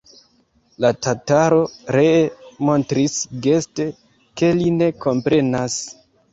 La tataro ree montris geste, ke li ne komprenas.